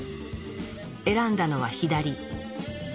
選んだのは左。